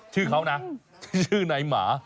ชื่อเขานะชื่อนายหมา